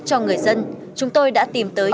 cho người dân chúng tôi đã tìm tới